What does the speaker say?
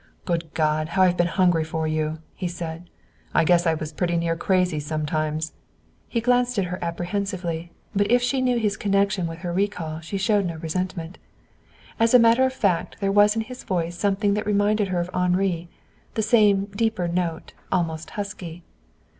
"Good God, how I've been hungry for you!" he said. "I guess I was pretty nearly crazy sometimes." He glanced at her apprehensively, but if she knew his connection with her recall she showed no resentment. As a matter of fact there was in his voice something that reminded her of Henri, the same deeper note, almost husky.